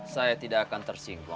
saya tidak akan tersinggung